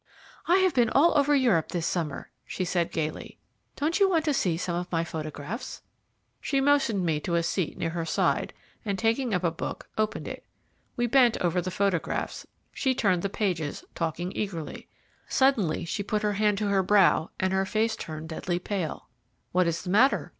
"I have been all over Europe this summer," she said gaily; "don't you want to see some of my photographs?" She motioned me to a seat near her side, and taking up a book opened it. We bent over the photographs; she turned the pages, talking eagerly. Suddenly, she put her hand to her brow, and her face turned deadly pale. "What is the matter?"